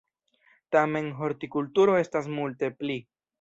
Tamen, "hortikulturo" estas multe pli.